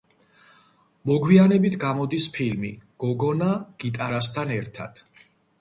მოგვიანებით გამოდის ფილმი „გოგონა გიტარასთან ერთად“.